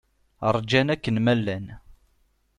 Ṛjan akken ma llan.